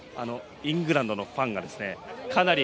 イングランドのファンがかなり。